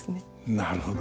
なるほど。